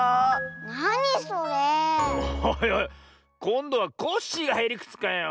こんどはコッシーがへりくつかよ。